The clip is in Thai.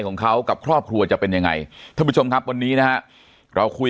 ของเขากับครอบครัวจะเป็นยังไงท่านผู้ชมครับวันนี้นะฮะเราคุย